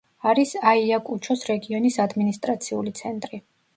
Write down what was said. არის აიაკუჩოს რეგიონის ადმინისტრაციული ცენტრი.